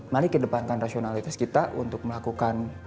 mari kedepankan rasionalitas kita untuk melakukan